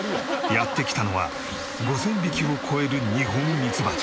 やって来たのは５０００匹を超えるニホンミツバチ。